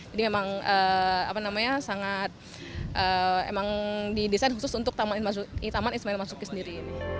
jadi memang sangat didesain khusus untuk taman ismail marzuki sendiri